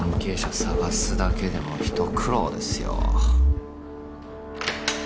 捜すだけでも一苦労ですよ